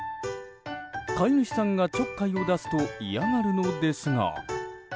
飼い主さんがちょっかいを出すと嫌がるのですが。